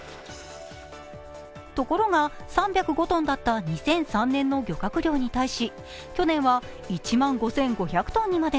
ところが３０５トンだった２００３年の漁獲量に対し去年は１万５５００ｔに。